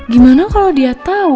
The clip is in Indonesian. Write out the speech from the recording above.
gimana kalau dia tau